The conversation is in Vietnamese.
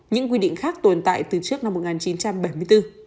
những quy định khác tồn tại từ trước năm một nghìn chín trăm bảy mươi bốn